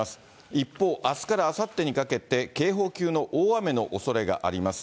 一方、あすからあさってにかけて、警報級の大雨のおそれがあります。